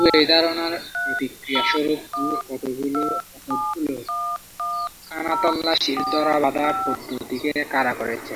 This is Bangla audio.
ওর এই ধারণার প্রতিক্রিয়া স্বরূপ ও কতকগুলো খানাতল্লাশির ধরাবাঁধা পদ্ধতিকে খাড়া করেছে।